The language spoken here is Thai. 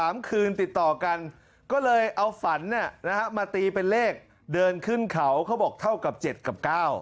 มาตีเป็นเลขเดินขึ้นเขาเขาบอกเท่ากับ๗กับ๙